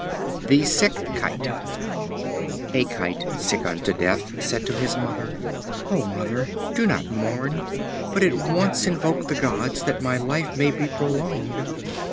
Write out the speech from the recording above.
The Sick Kite. A Kite, sick unto death, said to his mother: "O Mother! do not mourn, but at once invoke the gods that my life may be prolonged."